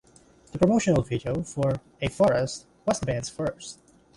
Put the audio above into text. The promotional video for "A Forest" was the band's first.